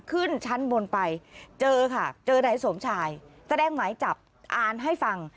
ขึ้นชั้นบนไปเจอค่ะเจอนายสมชายแสดงหมายจับอ่านให้ฟัง